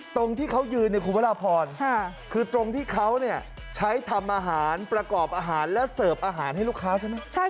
ตรงที่เค้ายืนคือตรงที่เค้าใช้ทำประกอบอาหารและเสิร์ฟอาหารให้ลูกค้าใช่ไหม